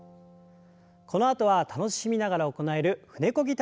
このあとは楽しみながら行える舟こぎ体操です。